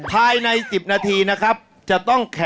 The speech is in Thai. กลับเข้าสู่รายการออบาตอร์มาหาสนุกกันอีกครั้งครับ